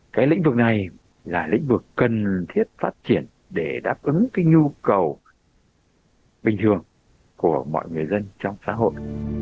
cái lĩnh vực này là lĩnh vực cần thiết phát triển để đáp ứng cái nhu cầu bình thường của mọi người dân trong xã hội